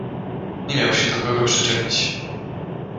Nie miał się do kogo przyczepić.